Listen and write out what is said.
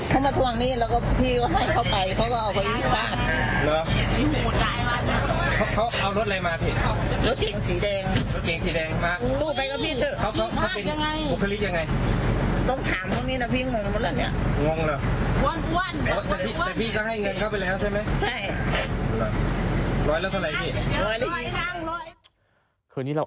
คืนนี้เราออกไปที่นี่นะครับ